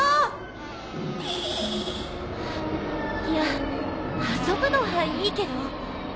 いや遊ぶのはいいけど。